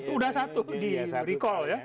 sudah satu di recall ya